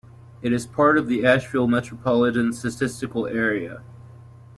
It is part of the Asheville Metropolitan Statistical Area.